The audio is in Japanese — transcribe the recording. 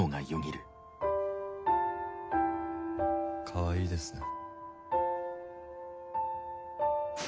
かわいいですね。